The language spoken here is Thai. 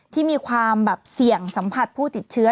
ที่มีความแบบเสี่ยงสัมผัสผู้ติดเชื้อ